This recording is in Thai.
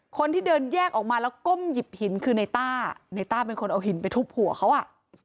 คนที่เดินแยกออกมาแล้วก้มหยิบหินคือในต้าในต้าเป็นคนเอาหินไปทุบหัวเขาอ่ะ